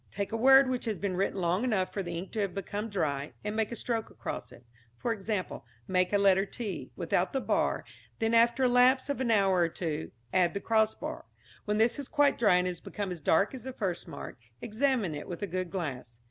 Take a word which has been written long enough for the ink to have become dry, and make a stroke across it. For example, make a letter t without the bar, then, after a lapse of an hour or two, add the cross bar. When this is quite dry and has become as dark as the first mark, examine it with a good glass.